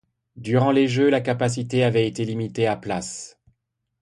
Durant les jeux, la capacité avait été limitée à places.